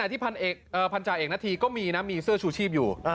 ในขณะที่พันจ่าเอกนาธีก็มีเสื้อชูชีพอยู่